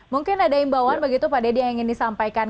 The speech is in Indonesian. mungkin ada imbauan begitu pak deddy yang ingin disampaikan